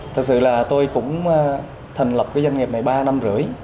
thật sự là tôi cũng thành lập cái doanh nghiệp này ba năm rưỡi